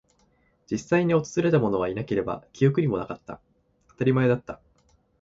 実際に訪れたものはいなければ、記憶にもなかった。当たり前だった。